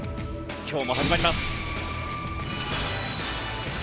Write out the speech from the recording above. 今日も始まります。